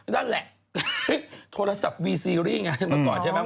นั่นแหละโทรศัพท์วีซีรีส์งานมาก่อนใช่ไหม